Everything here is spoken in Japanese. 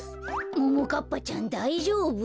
ももかっぱちゃんだいじょうぶ？